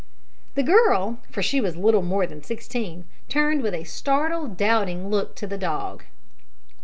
The girl for she was little more than sixteen turned with a startled, doubting look to the dog.